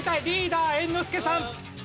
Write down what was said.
リーダー猿之助さん。